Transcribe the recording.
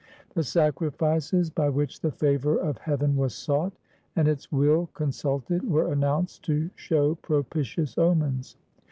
The sacrifices by which the favor of heaven was sought, and its will con sulted, were announced to show propitious omens.